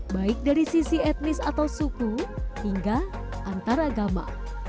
baik dari sisi etnis atau suku hingga antaragama